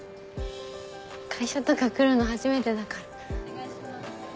会社とか来るの初めてだから。